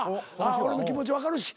俺も気持ち分かるし。